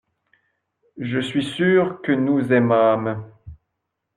Je suis sûr que nous aimâmes.